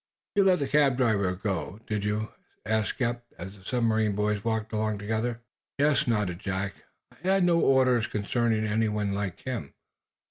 "You let the cab driver go, did you!" asked Eph, as the submarine boys walked along together. "Yes," nodded Jack. "I had no orders concerning anyone like him.